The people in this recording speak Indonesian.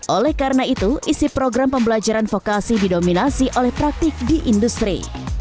oleh karena itu isi program pembelajaran vokasi didominasi oleh praktik di industri